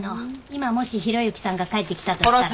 今もし広行さんが帰ってきたとしたら。